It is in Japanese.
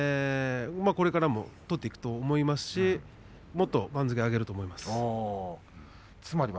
これからも取っていくと思いますしもっと番付上げると思いますよ。